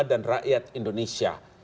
dan rakyat indonesia